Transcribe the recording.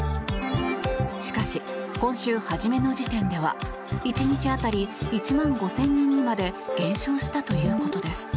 しかし今週初めの時点では１日当たり１万５０００人にまで減少したということです。